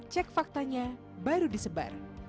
cek faktanya baru disebar